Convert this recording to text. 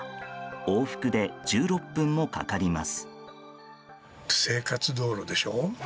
往復で１６分もかかります。